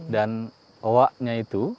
dan owa'nya itu